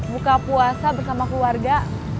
buka puasa bersama keluarga